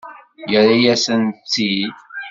Yerra-yasent-t-id.